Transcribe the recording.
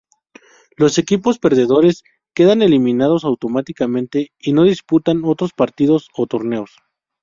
Los equipos perdedores quedan eliminados automáticamente, y no disputan otros partidos o torneos.